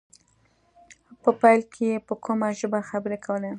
په پيل کې يې په کومه ژبه خبرې کولې.